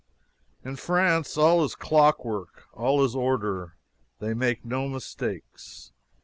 In France, all is clockwork, all is order. They make no mistakes.